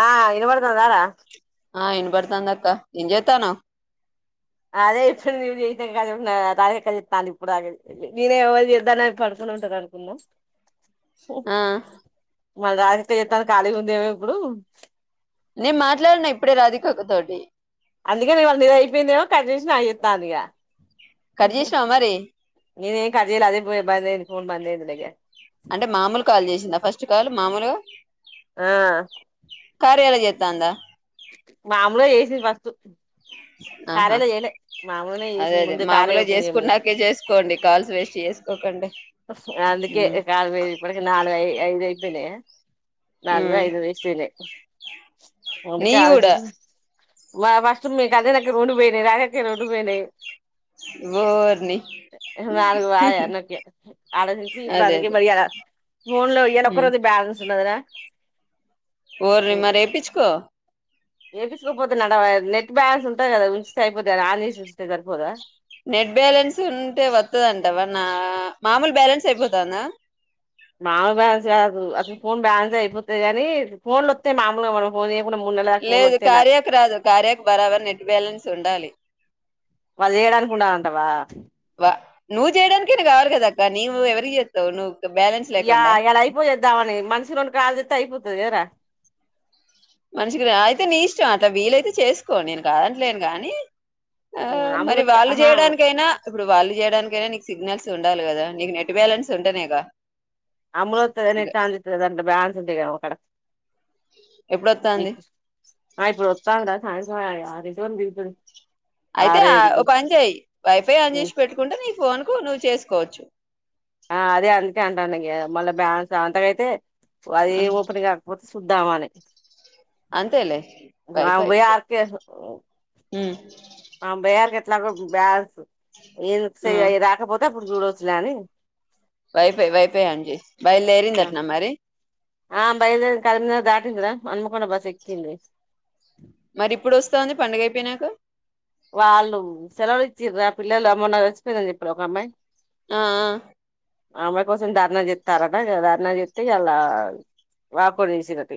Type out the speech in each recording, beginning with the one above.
ఆ వినపడుతుందర ఆ వినబడుతుంది అక్క అంజీతనావ్ అదే ఇప్పుడు నువవు చేతాం క రాగక్క చెప్ాను ఇప్పుడు నేనే ఎవరు చేద్దానడు అడుకునే ఉంటారు అనుకున్నా ఆ మన రాధిక ఖాళీగా ఉందేమో ఇప్పుడు నేను మాట్లాడిన అప్పుడే రాధిక అక్క తోటి అందుకే నివాళ నీది అయిపోయిందేమో కట్ చేసి నాకు చేస్తాంది ఇగ కట్ చేసినావా మరి నేనెమ్ కట్ జేయాల అదే ఫోన్ బంధాయింది ఫోన్ బంధాయింది [unintelligible] అంటే మామూలు కాల్ చేసిందా ఫస్ట్ కాల్ మామొలగా ఆ కార్యాలో చేతాందా మామొలే చేసిది వర్క్ ఆహా మామూలుగానే అదే చేసింది అదే ముందు కార్య మామొలుగ ఓపెన్ చేయమని చేసుకున్నాకే చేసుకోండి కాల్స్ వేస్ట్ చేసుకో చేసుకోకండి అందుకే ఉమ్ కాల్స్ ఇప్పడికి నాలుగు అయినాయి ఐదు అయిపోయినాయ నాలుగు ఉమ్ ఐదో వెస్ట్ అయినాయి అందుకే నీయి కూడా అలోచించి మా ఫస్ట్ మీ కళ్యానక్క వి రొండు పోయినాయి రాద అక్క వి రొండు పోయినాయి ఓరిని నాలుగు పాయె నాకే ఆలోచించి ఇప్పుడు అడుగు వెయ్యాల ఫోన్ లో ఇయ్యాల ఒక్క రోజె బ్యాలెన్స్ ఉన్నా కదా ఓరి మరి ఏపిచ్చుకో ఏపిచ్చుకోకపోతే నడ నెట్ బ్యాలన్స్ ఉంటాది. కదా ఉంచితే అయిపోతది అది ఆన్ చేసి ఉంచితే సరిపోదా. నెట్ బ్యాలెన్స్ ఉంటే వత్తదంటావా నా మామూలు బ్యాలెన్స్ అయిపోతుందా మామల బ్యాలెన్స్ గాదు అస్సలు ఫోన్ బ్యాలెన్స్ అయిపోతాదిగానీ ఫోన్ లు వత్తే మామొలుగ మనం ఫోన్ చేయకుండా మూడు నెలల దాకా ఫోన్లు లేదు వత్తయి నాకు కార్యాకు రాదు కార్యాకు బరాబర్ నెట్ బ్యాలెన్స్ ఉండాలి వాళ్ళు చేయడానికి ఉండాలంటవా వా నువ్వుయడానికైన కావాల కదా అక్క నీవు ఎవరికి చేత్తావు నువ్వు బ్యాలెన్స్ యా లేకుండా ఇయాల అయిపోయేజేద్దామని మనస్ రొండు కాల్ జేత్తే అయిపోతది కదరా మనిష క అయితే నీ ఇష్టం అక్క వీలైతే చేసుకో నేను కాదంలేను గానీ ఆ అమూల్ మరి వత్తే వాళ్ళు ఆహా చేయడానికైనా ఇప్పుడు వాళ్ళు చేయడానికి అయినా నీకు సిగ్నల్స్ ఉండాలి కదా నీకు నెట్ బాలెన్స్ ఉంటనేగా అమ్ములు వత్తాది కదా నెట్ ఆన్ చేత్తాది కదా దాంట్లో బ్యాలే ఉంటే కదా ఆమకాడ ఎప్పుడొత్తాంది అ ఇప్పుడొత్తాండ సాయం [unintelligible] అయితే ఓ పని చేయ్ వైఫై అన్ చేసి పెట్టుకుంటే నీ ఫోన్ కు నువ్వు చేసుకోవచ్చు ఆ అదే అందుకే అంటానుద మళ్ళా బ్యాలెన్స్ అంతకైతే అదే ఓపన్ ఆగపోతే సద్దామాల [unintelligible] అంతే లే పై పై అ ఆమె బోయ్యేవరకేట్లాగు బ్యాస్ ఏన్ సై రాకపోతు [unintelligible] అపుడు జూడచ్చు లే అని వైఫై వైఫై ఆన్ జెయి బయల్ దేరిందట్నా మరి ఆ బయలుదేరింది కరీంనగర్ దాటిందిరా హనుమకొండ బస్ ఎక్కిింది. మరి ఇప్పుడు వస్తావుంది పండుగ అయిపోయినాక వాళ్ళు సెలవులు ఇచ్చిరా ఆ పిల్లలు మొన్న చచ్చిపోయిందని చెప్పిళ్ల ఒక అమ్మాయి ఆ ఆమె కోసం ధర్నా చెస్తారట ధర్నా చెస్తే ఇయాల వాకౌట్ చేసిరట.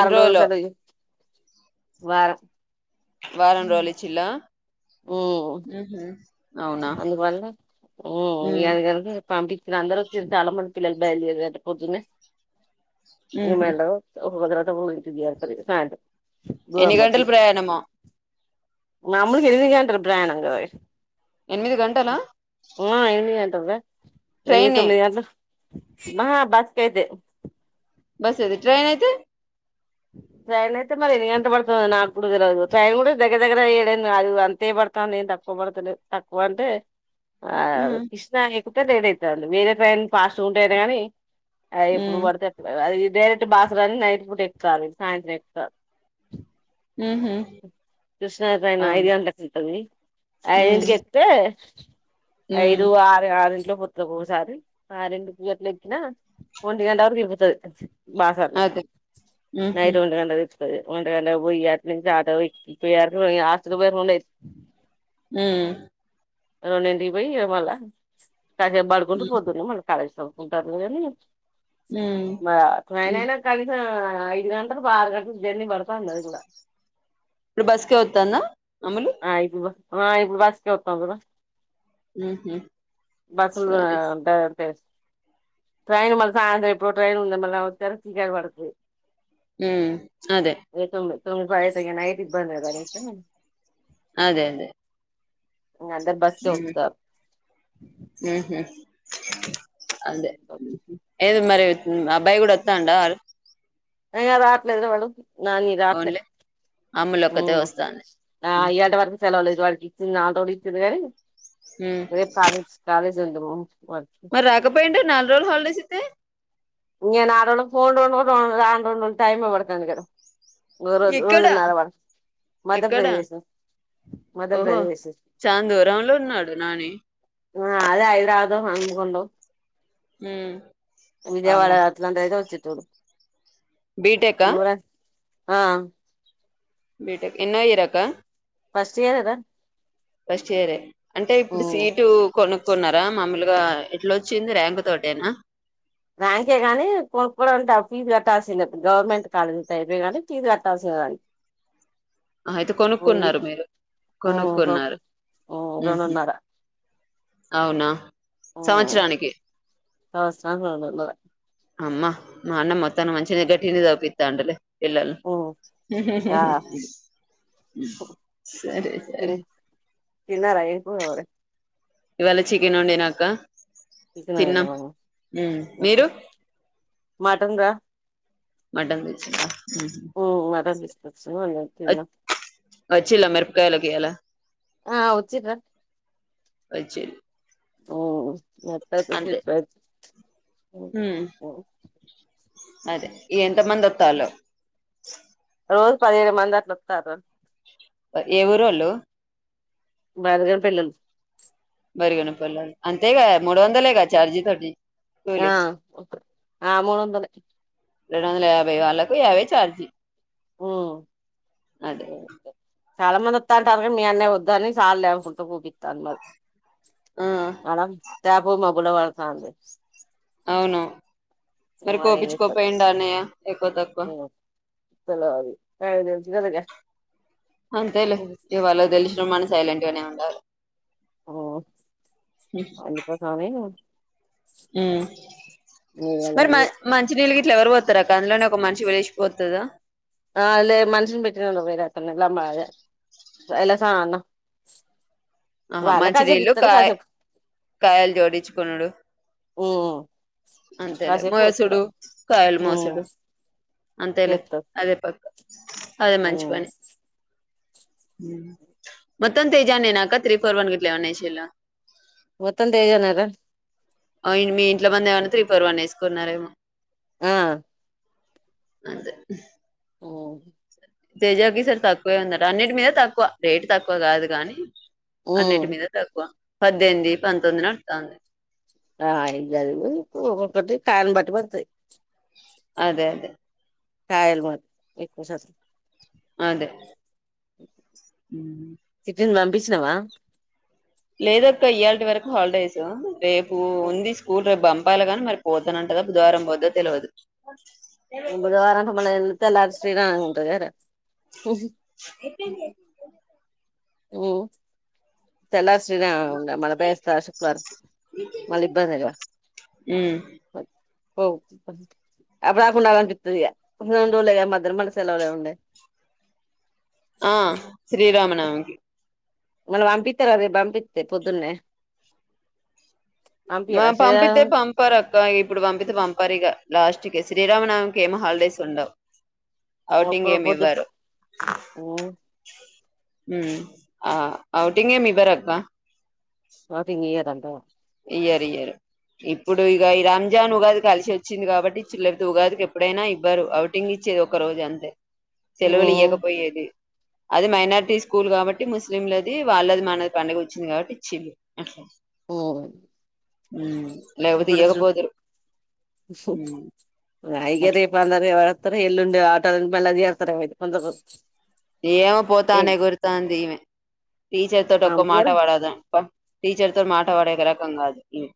ఎన్ని రోజులు రోజులో సెలవ్ వారం వారం రోజులు ఇచ్చిలా ఉమ్ ఉ హ్ అందువల్ల ఉ [unintelligible] ఎగారు పంపించిన అందరు వచ్చిరు చాలా మంది పిల్లలు బయలుదేరారు పొద్దున్నే ఉహు రెమైండర్ ఒక దగ్గర ంటదియ సర స [unintelligible] ఎన్ని గంటలు ప్రయాణమో మాములుగా ఎనిమిది గంటల ప్రయాణం గదా ఎనిమిది గంటలా ఊ ఎనిమిది గంటలు వె ఎనిమి ట్రైనే తొమ్మిది గంటలు అహ బస్ కైతే బస్ అయితే ట్రైన్ అయితే ట్రైన్ అయితే మరి ఎన్ని గంటలు పడుతదొ నాకు కూడ తెలవదు. ట్రైన్ కూడా దగ్గర దగ్గర ఎడెనిమిది అంతే పడుతాంది ఏం తక్కువ పడుతలేదు. తక్కువ అంటే ఆ ఉ కృష్ణ ఎ ఒకటే ట్రైన్ అయితాంది వేరే టైన్ పాస్ట్గ ఉంటాయి అట కాని అ ఉ ఎప్పుడు పడితే అప్పుడు అది డైరెక్ట్ బాసర అని నైట్ పూట ఎ సరే సాయంత్రం ఎక్కుత ఉహు కృష్ణ ఉ ట్రైన్ ఉ ఐదు గంటలకు ఉంటది అయిదింటికి ఎక్కితే ఐదు ఆరు ఆరు లో పోతుంది ఒకసారి ఆ రెండు పూ గట్లు ఎక్కిన ఒంటి గంట వరకు అయిపోతది బాసర్లో ఉహు నైట్ వొంటి గంట వొంటి గంటకు పోయి అటునుంచి ఇ యకి ఆసకు పోేరుండ హ రొండింటికి పోయి ఇగ మల్ల కాసేపు పడుకుంటే ఉ పోద్దు న మనకి కాళ స కుంటారు బ త ఎననా కలిస ఐదు గంటలు పా ఆరు గంటలు జర్నీ పడతాంది అది కూడా ఇప్పుడు బస్కే వత్తంద ఆ ఇప్పుడు పో ఆ ఇప్పుడు బస్కే వత్తంది ఉహు బస్సులు సరే ట్రైన్ మళ్ళా సాయంత్రం ఎప్పుడో ట్రైన్ వచ్చేతలికే సిగ్నల్ పడ్తది హు అదే రూంబాయే సెగండయే ఇబంది కదా అది అయితే అదే అదే ఆ అందరు బస్కే వచ్చారు హుహు అదే ఏది మరి రాబ్ అబ్బాయి కూడా వాతండా అడు ఆయన రాట్లేడు వాడు నాని రాట్లే ఓన్లీ అమ్ములొక్కతే ఏమో వస్తాంది ఆ ఇగ అంత వరకు సెలవులు ఇటువ్ ఇచ్చిరా నా కోడిచిరే మ్మ్ రేపు కాలేజ్ కాలేజ్ జండూబామ్ మరి రాకపోయిండ నాలుగు రోజుల్ హాలిడేస్ ఇస్తే నేను ఆ ఫోన్ రొండు రాను రొండు టైమే పడ్తది కదా ఇంగో రెండు రోజులు ఎక్కడా నడవల ఎక్కడా మధ్యప్రదేశ ఓహో మధ్యప్రదేశు చాన్ దూరంలో ఉన్నాడు నాని అదే హైద్రాబాద్ య వైల్గొండో హు విజయవాడ అట్లాంటైతే వచ్చేటోడు బిటెక్ ఆ ఆహ్ బీటెక్ ఎనో ఇయర్ అక్క ఫస్ట్ ఇయర్ రే రా. ఫస్ ఇయర్ రే అంటే ఇప్పుడు సీటు కొనుకున్నారా. మమ్మలుగ్ గా ఇట్లోచ్చింది ర్యాంక్ తోటేనా ర్యాంకే గాని కొనుకోడానికి డబుల్ కట్టాల్సిందే. గవర్నమెంట్ కాలేజీ టైపే కానీ ఫీజు కట్టాల్సిిన అయితే కొనుకున్నారు మీరు కొనుకున్నారు ఉహ్ హు రెండున్నర అవునా సంవత్సరానికి సంవత్సరానికి నలుగువందలనారా అమ్మ మా అన్నం మోతానము మంచిగానే గట్టింరు పితాండులే పిల్లల్ ఉమ్, ఆ హుహుహు సరే సరే తిన్ తిన్నారా ఏం కూర మరి ఇవాళ చికెన్ వండినా అక్క చికనాదఓహ ఉమ్ మీరు [unintelligible] మటన్ రా మటన్ తెచ్చిండ్ ఉమ్, మటన్ తీసుకొచ్చిన వండిన తిన్నాం వచ్చిలా మేరాపకాలాకియాల ఆ వచ్చిర్రా వచ్చిర్ ఓ మత్త తీ ఉమ్ [unintelligible] అదే ఎంత మంది వత్తాలో రోజు పదిహేడు మంది అట్లు వతారు. ఏవురోలు బధగని పెల్లోళ్ళు మరిగణపల్లా అంతేగా మూడు వందలే క ఛార్జీ తోటి కూలి ఆహ్ ఆ మూడు వందలే రెండు వందల యాభై వాళ్ళకు యాభై చార్జి. ఉహ్ అదే చాలా మంది వత్త అంటారు. మీ అన్నే వద్ద అని చాలు లే ఓక్ కుంట పోపితాను మరి ఆ అనం తపుకో మబ్బుల వాడాతంది. అవును మరి ఏం కోపచ్చుకో చేత్తది పోయిండు. అన్నయ్య ఎక్కువ తక్కువ తెలవది నాకు తెలుసు కదగా అంతేలే ఇవాళ తెలిసిన మనష్ సైలెంట్ గానే ఉంటారు. ఓ అయ్యప్ప స్వామి ఉమ్ మరి మ మంచించి నీళ్ళగులవరి వ రక అందులోనే ఒక మనిషి విలిచిపోతుంద ఆలే మనుషులు పెట్టినను వేరే అతని మ అలాస అన్నా ఆహా మంచినీళ్ళు కాయ కాయలు జోడించుకున్నాడు ఉమ్ అంతేలే కాసేపు మోసుడు కోతుకురారు కాయలు ఉమ్ మోసడు అంతేలే చేత్తరు అదే పక్క అదే మంచి ఉమ్ పని మొత్తం తేజనే నాక్క త్రీ ఫోర్ వన్ గిట్లా ఏమన్నా ఏసిల్లా మొత్తం తేజ నేరా ఆ మీ ఇంట్లో మంది ఏమన్నా త్రీ ఫోర్ వన్ ఏమైనా వేసుకున్నారేమో ఆ అదే ఓ తేజాకీ సర తక్కువే ఉందట అన్నిటి మీద తక్కువ రేటు తక్కువ కాదు కానీ అన్నిటి ఉమ్ మీద తక్కువ పద్దెనిమిది పంతొమ్మిది నడుతాంది ఆ ఈ గావి ఒక్కొక్కటి కాయను బట్టి పడతాయి అదే అదే కాయలు పెడితే ఎక్కువ శాతం అదే చూసినావా లేదక్క ఇయాల్టి వరకు హల్డేస్ రేపు ఉంది స్కూల్ రే బం అబ్బాయిలు గా మరి పోతానంటదా బుధవారం పోద్ద్దో తెలియదు. బుధవారంట మల ఎళతే ఎల సింగ్ ఉంటర. ఉమ్ తెల్లార్ శ్ర మన బయస్త శుక్్రారం మళ్ళీ ఇబ్బందిగా ఉమ్ ఓ అప్పుడు దాకా ఉండాలనిపిస్తదిగా రెండు రోజులే కదా మల్ల సెలవలు ఏముండై ఆ శ్రీరామనవమికి మళ్ళ పంపిస్తారా రేపు పంపిస్తే పొద్దున్నే మా పంపియ్యరా పంపితే శ్రీరామనవమి పంపారు అక్క ఇప్పుడు పంపితే పంపారు ఇక లాస్ట్ కి శ్రీరామనావమికి ఏమ్ హాలిడేస్ ఉండవు ఒక్క అఔటింగ్ రోజు ఏమి పొద్దు ఇవ్వరు. యూ ఆ ఔటిింగ్ ఏమి ఇవ్వరు అక్క ఔటింగ్ ఇయర్ అక్క ఇయ్యరు ఇయ్యారు ఇప్పుడు ఇక ఈ రాంజాన్ ఉగాది కలిసి వచ్చింది కాబట్టి [unintelligible] ఉగాదికి ఎప్పుడైనా ఇవ్వరు అవుటింగ్ ఇచ్చేది ఒక రోజే అంతే. సెలవులు ఇయ్యకపోయేది అది మైనారిటీ స్కూల్ కాబట్టి ముస్లింలది వాళ్ళది మాన ది పండుగ వచ్చింది కాబట్టి ఇచ్చిర్రు ఉ లేకపోతే ఇప్పుడు చూడు ఈయకపోదురు [unintelligible] తర ఎల్లుండి ఆట మళ్ళ దియాతారా అయితే కొంతకు ఏమో పోతానే ఎగురుతాంది ఈమె టీచర్ తోటి ఒక్క మాట పంపియ్యరా పడదు టీచర్ మాట పడే క రకం కాదు ఈమె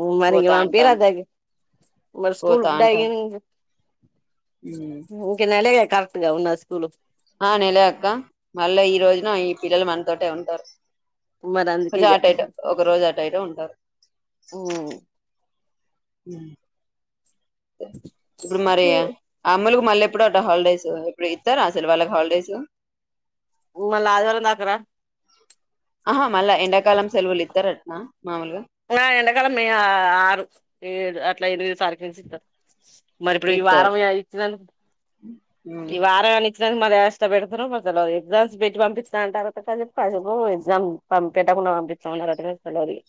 ఉ మరి ఇంకా పోతా అంటాంది పంపియరాదా మరి స్కూల్ పోతా డాయి అంటాంది ఉమ్ ఇంక నెల్లే కరెక్ట్ గా ఉందా స్కూల్ నెలే అక్క మళ్ళా ఈ రోజున ఆ పిల్లలు మనతోటే ఉంటారు మరి అందుకే కొంచె ఇగ అటో ఇటో ఒక రోజు అటో ఇటో ఉంటాది ఉ ఇప్పుడు మరి అమ్ములు మళ్ళీ ఎప్పుడట హాలిడేస్ ఇప్పుడు ఇస్తారా అసలు వాళ్ళకి హాలిడేస్ ఉ మళ్ళా ఆదివారం వరక రా ఆహా మళ్ళా ఎండాకాలం సెలవులు ఇత్తర ఆ మామూలుగా నా ఎడాకాలం మీ ఆరు ఏడు అట్లా ఎనిమిదో తారకి నుంచి ఇస్తారు మరి ఇప్పుడు ఈ ఇస్తారు వారం ఇచ్చినం ఉమ్, ఈ వారాన్ని ఎగ్జామ్స్ మరీ యాష్ట పెడతారో మరి తెలవదు ఎగ్జామ్స్ పెట్టి పంపిస్తా అంటారట [unintelligible] ఎగ్జామ్ పంపే తప్పుడు ఉన్నారట తెలవదు ఇక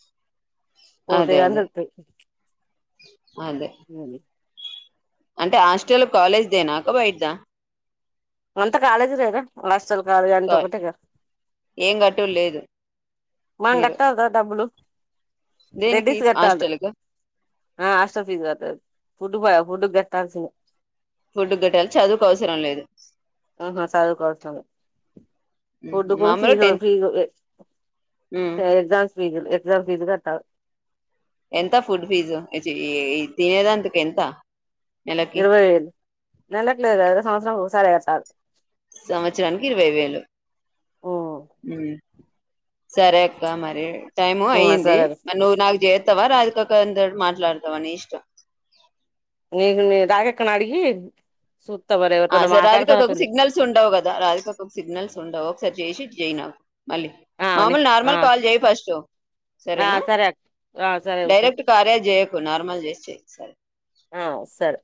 పోతే అదే గాని అదే తెలుస్తాయి అదే అంటే హాస్టల్ దేనా అక్క బయట దా అంత కాలేజ్ దేనే లాస్ట్ హాస్టల్ కాదు ఏం గట్టు లేదు మనం మీరు కట్టాల రా డబ్బులు దేనికి రెడ్డీస్ కట్టాలి హాస్టల్ కా ఆ హాస్టల్ ఫీస్ కట్టాలి ఫుడ్ పో ఫుడ్ కట్టాల్సి ఫుడ్డు కట్టాలి చదువుకు అవసరం లేదు ఉమ్, పోడుకుని మామూలు ఫీజు లు ఫీజు టెన్త్ సరాన్ ఎక్స్మ్ ఫ్రిజ్ కట్టలి ఎంత ఫుడ్ ఫీజు తినేదంతకు ఎంత నెలకి ఇరవై ఐదు నెలకిలేదుఅదు సంవత్సరానికి ఒకసారి కట్టలి సంవత్సరానికి ఇరవై వేలు ఉమ్ సరే అక్క మరి టైము అయ్యింది సరే మ నువ్వు నాకు చేస్తావా రాజికక్కతో మా లాడుతవాని ఇష్టం నేను రాగక్కని అడిగీ ఆ సార్ రాధికాక్కకు సిగ్నల్స్ ఉండవు కదా రాధికాకు సిగ్నల్స్ ఉండవు ఒకసారి చేసి జై నా క్ మళ్ళీ ఆ ని మామూలు ఆ నార్మల్ కాల్ చేయి ఫస్ట్ ఆ సరేనా సరే అక్క ఆ సరే ఉషా డైరెక్ట్ కార్యచేయ నార్మల్ చేసి చేయి ఒకసారి ఆ సరే